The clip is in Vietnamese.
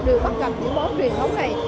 đều bắt gặp những món truyền thống này